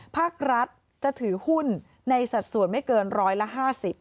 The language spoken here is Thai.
ภาครัฐจะถือหุ้นในสัดส่วนไม่เกินร้อยละ๕๐